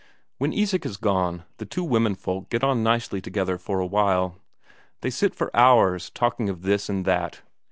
When Isak is gone, the two womenfolk get on nicely together for a while; they sit for hours talking of this and that.